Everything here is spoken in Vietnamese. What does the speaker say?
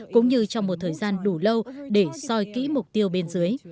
cũng như trong một thời gian đủ lâu để soi kỹ mục tiêu bên dưới